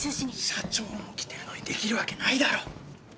社長も来てるのにできるわけないだろ！